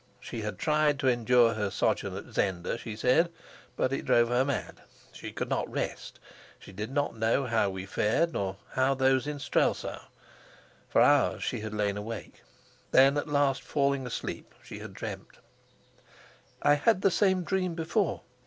She had tried to endure her sojourn at Zenda, she said; but it drove her mad. She could not rest; she did not know how we fared, nor how those in Strelsau; for hours she had lain awake; then at last falling asleep, she had dreamt. "I had had the same dream before.